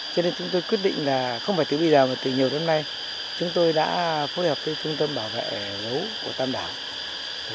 cho nên chúng tôi quyết định là không phải từ bây giờ mà từ nhiều năm nay chúng tôi đã phối hợp với trung tâm bảo vệ gấu của tam đảo